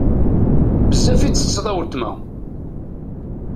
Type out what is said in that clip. Bezzaf i ttetteḍ a wletma.